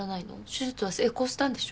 手術は成功したんでしょ？